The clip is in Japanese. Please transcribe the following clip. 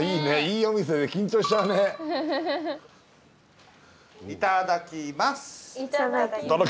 いただきます！